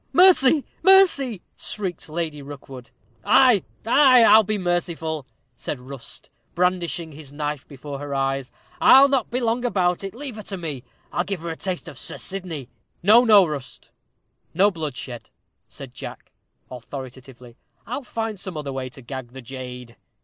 Ho, ho!" "Mercy, mercy!" shrieked Lady Rookwood. "Ay, ay, I'll be merciful," said Rust, brandishing his knife before her eyes. "I'll not be long about it. Leave her to me I'll give her a taste of Sir Sydney." "No, no, Rust; no bloodshed," said Jack, authoritatively; "I'll find some other way to gag the jade."